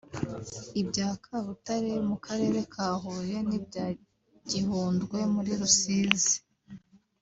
ibya Kabutare mu Karere ka Huye n’ibya Gihundwe muri Rusizi